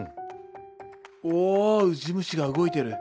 おウジ虫が動いてる。